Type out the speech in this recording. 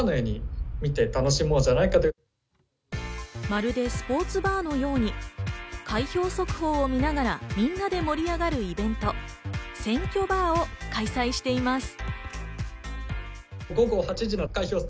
まるでスポーツバーのように開票速報を見ながら、みんなで盛り上がるイベント、選挙バーも開催しています。